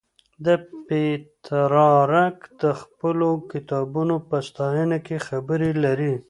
پترارک د خپلو کتابونو په ستاینه کې خبرې لري.